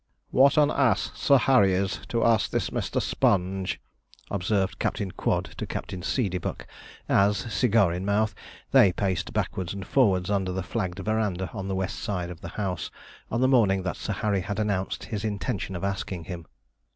'What an ass Sir Harry is, to ask this Mr. Sponge,' observed Captain Quod to Captain Seedeybuck, as (cigar in mouth) they paced backwards and forwards under the flagged veranda on the west side of the house, on the morning that Sir Harry had announced his intention of asking him.